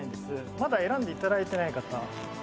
まだ選んでいただいていない方。